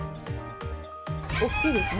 大きいですね。